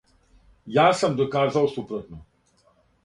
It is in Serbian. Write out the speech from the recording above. Ја сам доказао супротно.